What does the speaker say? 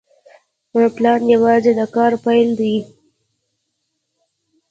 پلان یوازې د کار پیل دی.